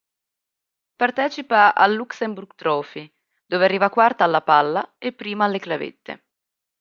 Partecipa al Luxembourg Trophy, dove arriva quarta alla palla e prima alle clavette.